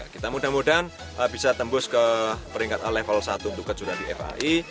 kita mudah mudahan bisa tembus ke peringkat level satu untuk kejuaraan di fai